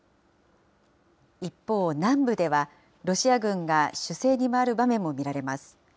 一方、南部ではロシア軍が守勢に回る場面も見られます。